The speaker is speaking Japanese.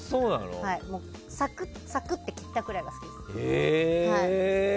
サクサクって切ったくらいが好きです。